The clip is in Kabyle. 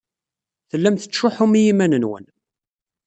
Tellam tettcuḥḥum i yiman-nwen.